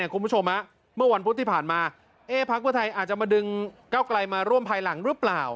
คุณผู้ชมเมื่อวันพุธที่ผ่านมาพักเพื่อไทยอาจจะมาดึงเก้าไกลมาร่วมภายหลังหรือเปล่า